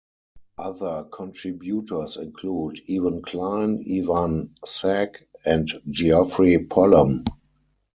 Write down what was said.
Other contributors include Ewan Klein, Ivan Sag, and Geoffrey Pullum.